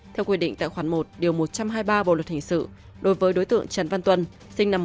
theo quyết định tại khoản một điều một trăm hai mươi ba bộ luật hình sự đối với đối tượng trần văn tuân sinh năm một nghìn chín trăm bảy mươi ba